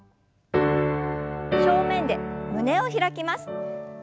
正面で胸を開きます。